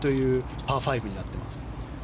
パー５なっています。